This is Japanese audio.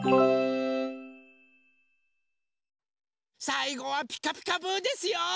さいごは「ピカピカブ！」ですよ。